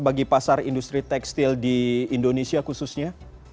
bagi pasar industri tekstil di indonesia khususnya